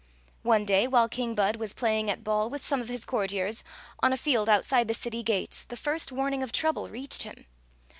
One day, while King Bud was playing at ball with some of his courtiers on a field outside the city gates, the first warning of trouble reached him.